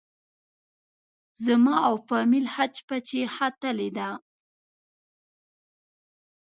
زما او فامیل حج پچې ختلې دي.